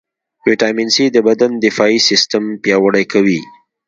ويټامين C د بدن دفاعي سیستم پیاوړئ کوي.